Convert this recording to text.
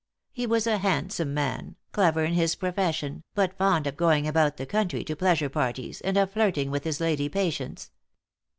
He was a handsome man, clever in his profession, but fond of going about the country to pleasure parties, and of flirting with his lady patients.